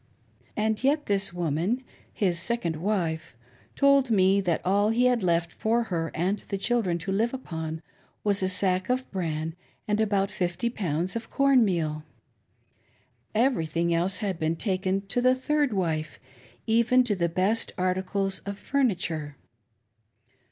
And yet this woman [his second wife] told me that all he had left for her and the children to live upon was a sack of bran and 32 528 A REASON FOR WHIPPING A WIFE. about fifty pounds of corn meal. Everyl^iing else had been taken to the third wife, even to the best articles of furniture.